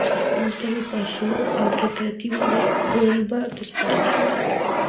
Más tarde pasó al Recreativo de Huelva de España.